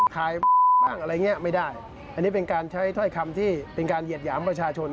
ใครบ้างอะไรอย่างเงี้ยไม่ได้อันนี้เป็นการใช้ถ้อยคำที่เป็นการเหยียดหยามประชาชน